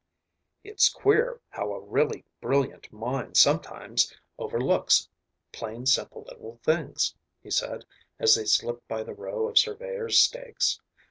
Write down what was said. "It's queer how a really brilliant mind sometimes overlooks plain simple little things," he said as they slipped by the row of surveyor's stakes.